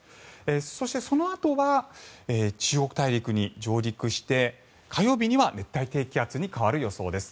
そして、そのあとは中国大陸に上陸して火曜日には熱帯低気圧に変わる予想です。